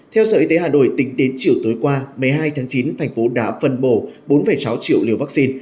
theo sở y tế hà nội tính đến chiều tối qua một mươi hai tháng chín thành phố đã phân bổ bốn sáu triệu liều vaccine